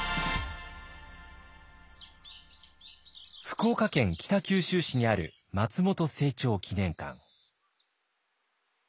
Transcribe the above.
福岡県北九州市にある松本清張記念館。